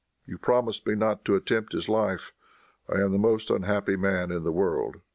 You promised me not to attempt his life. I am the most unhappy man in the world."